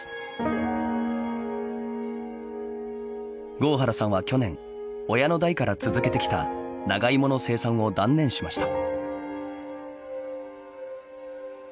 郷原さんは去年親の代から続けてきた長いもの生産を断念しました。